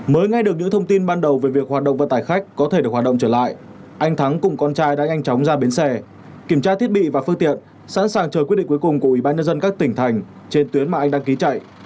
mới nghe được những thông tin ban đầu về việc hoạt động vận tải khách có thể được hoạt động trở lại anh thắng cùng con trai đã nhanh chóng ra bến xe kiểm tra thiết bị và phương tiện sẵn sàng chờ quyết định cuối cùng của ủy ban nhân dân các tỉnh thành trên tuyến mà anh đăng ký chạy